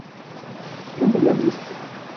Kemmlemt!